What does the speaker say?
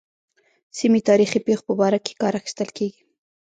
سیمې تاریخي پېښو په باره کې کار اخیستل کېږي.